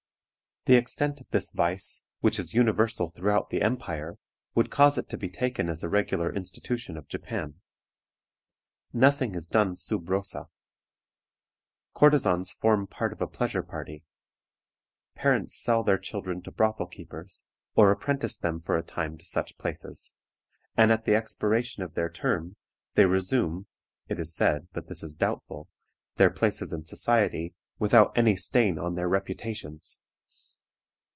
The extent of this vice, which is universal throughout the empire, would cause it to be taken as a regular institution of Japan. Nothing is done sub rosa. Courtesans form part of a pleasure party; parents sell their children to brothel keepers, or apprentice them for a time to such places, and at the expiration of their term they resume (it is said, but this is doubtful) their places in society without any stain on their reputations.